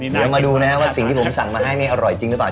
เดี๋ยวมาดูนะครับว่าสิ่งที่ผมสั่งมาให้นี่อร่อยจริงหรือเปล่า